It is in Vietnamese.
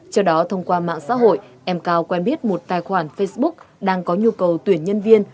trước đó thông qua mạng xã hội em cao quen biết một tài khoản facebook đang có nhu cầu tuyển nhân viên